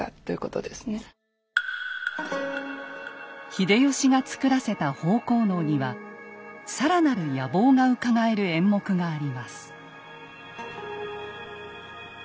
秀吉が作らせた「豊公能」には更なる野望がうかがえる演目があります。